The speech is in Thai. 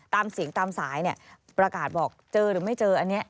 ตามเสียงตามสายประกาศบอกเจอหรือไม่เจออันนี้